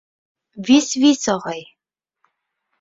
— Вис, вис, ағай.